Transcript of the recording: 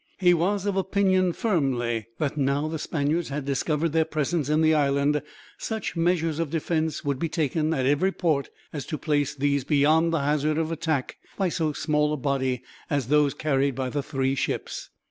He was of opinion, firmly, that now the Spaniards had discovered their presence in the island, such measures of defense would be taken, at every port, as to place these beyond the hazard of attack by so small a body as those carried by the three ships.